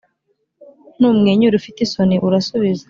numwenyura ufite isoni urasubiza,